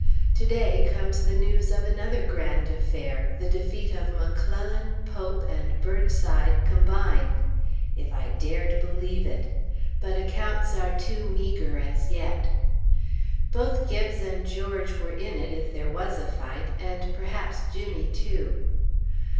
To day comes the news of another grand affair, the defeat of McClellan, Pope, and Burnside combined. If I dared believe it! But accounts are too meagre as yet. Both Gibbes and George were in it, if there was a fight, and perhaps Jimmy, too.